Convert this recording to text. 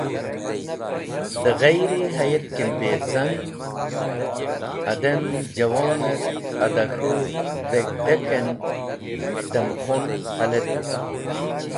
Dẽ ghayr-e hayet kimpirzan adem juwon et ada k̃hũ dheg̃hdek en dem khun haletu.